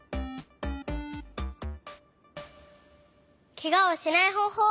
ケガをしないほうほう